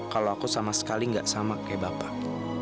kalau aku sama sekali nggak sama kayak bapak